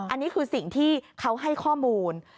อันนี้คือสิ่งที่เขาให้ข้อมูล